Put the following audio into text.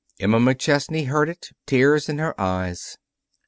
Emma McChesney heard it, tears in her eyes.